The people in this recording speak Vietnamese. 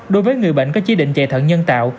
đối với người bệnh có chỉ định chạy thận nhân tạo